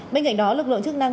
bên cạnh đó lực lượng chức năng